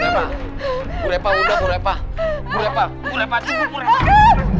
sampai jumpa di video selanjutnya